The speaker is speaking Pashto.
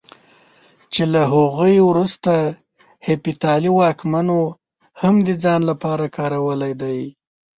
چې له هغوی وروسته هېپتالي واکمنو هم د ځان لپاره کارولی دی.